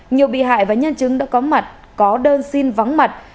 nhiều bị hại và nhân chứng đã có mặt có đơn xin vắng mặt